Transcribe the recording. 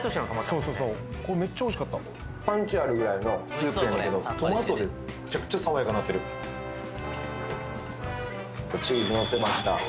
そうそうそうこれめっちゃおいしかったパンチあるぐらいのスープやねんけどトマトでめちゃくちゃ爽やかなってるチーズ載せました